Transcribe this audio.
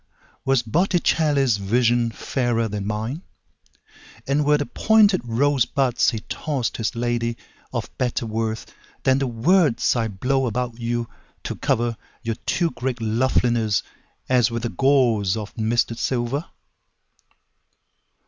Was Botticelli's visionFairer than mine; And were the pointed rosebudsHe tossed his ladyOf better worthThan the words I blow about youTo cover your too great lovelinessAs with a gauzeOf misted silver?